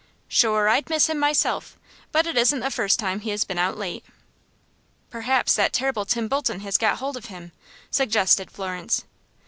"Shure I'd miss him myself; but it isn't the first time he has been out late." "Perhaps that terrible Tim Bolton has got hold of him," suggested Florence.